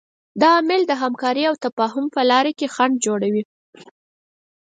دا عامل د همکارۍ او تفاهم په لاره کې خنډ جوړوي.